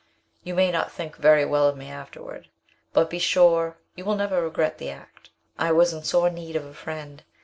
You may not think very well of me afterward, but be sure you will never regret the act. I was in sore need of a friend.